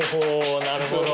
なるほど。